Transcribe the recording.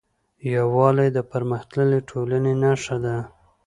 یووالی د پرمختللې ټولنې نښه ده.